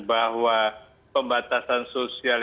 bahwa pembatasan sosial